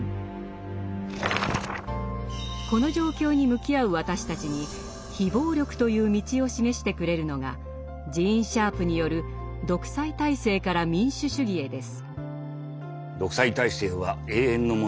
この状況に向き合う私たちに「非暴力」という道を示してくれるのがジーン・シャープによる「独裁体制から民主主義へ」です。